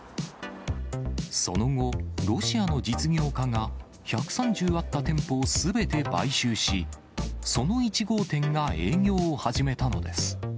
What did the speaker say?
その後、ロシアの実業家が、１３０あった店舗をすべて買収し、その１号店が営業を始めたのです。